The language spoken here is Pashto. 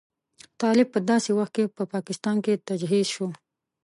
طالب په داسې وخت کې په پاکستان کې تجهیز شو.